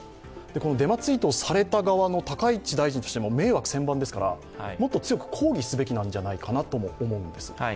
このデマツイートをされた高市大臣としても迷惑千万ですから、もっと強く抗議すべきなんじゃないかなとも思うんです。